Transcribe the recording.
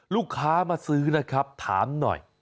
ลูกค้ามาซื้อนะครับถามหน่อย